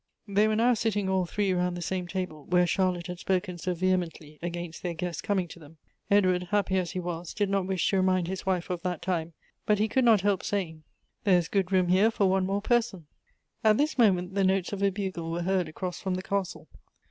They were now sitting all three round the same little table where Charlotte had spoken so vehemently against their guest's coming to them. Edward, happy as he was, did not wish to remind his wife of that time ; but he could not help saying, " There is good room here for one more person." At this moment the notes of a bugle were heard across from the castle.